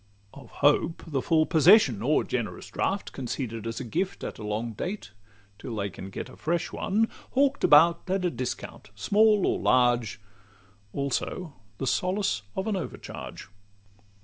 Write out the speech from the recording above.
Of hope the full possession, Or generous draft, conceded as a gift, At a long date till they can get a fresh one Hawk'd about at a discount, small or large; Also the solace of an overcharge.